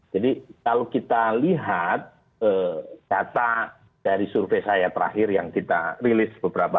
jadi kalau kita lihat data dari survei saya terakhir yang kita rilis beberapa